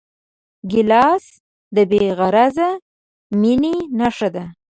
ګیلاس د بېغرضه مینې نښه ده.